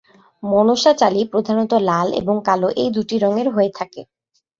মনসা চালি প্রধানত লাল এবং কালো এই দুটি রঙের হয়ে থাকে।